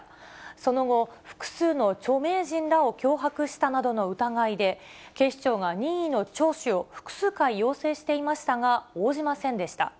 その後、複数の著名人らを脅迫したなどの疑いで、警視庁が任意の聴取を複数回要請していましたが、応じませんでした。